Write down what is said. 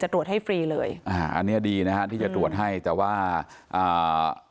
ตรวจให้ฟรีเลยอ่าอันนี้ดีนะฮะที่จะตรวจให้แต่ว่าอ่า